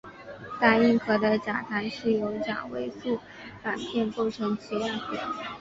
带硬壳的甲藻是由纤维素板片构成其外壳。